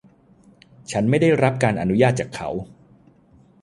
ฉันไม่ได้รับการอนุญาตจากเขา